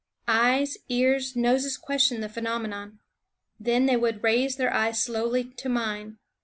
Eyes, ears, l[ noses questioned the phenomenon. f.< Then they would raise their eyes slowly to mine.